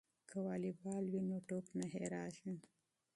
که والیبال وي نو ټوپ نه هیریږي.